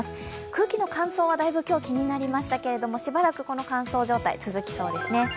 空気の乾燥はだいぶ今日気になりましたけれどもしばらくこの乾燥状態、続きそうですね。